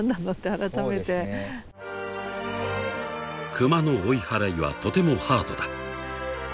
［クマの追い払いはとてもハードだ］